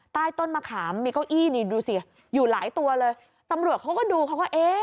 ใต้ต้นมะขามมีเก้าอี้นี่ดูสิอยู่หลายตัวเลยตำรวจเขาก็ดูเขาก็เอ๊ะ